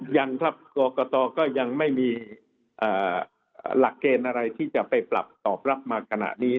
ยังครับกรกตก็ยังไม่มีหลักเกณฑ์อะไรที่จะไปปรับตอบรับมาขณะนี้